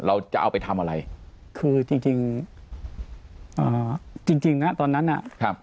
เราจะเอาไปทำอะไรคือจริงจริงอ่าจริงจริงนะตอนนั้นอ่ะครับ